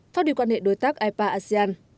phát đi quan hệ đối tác ipa asean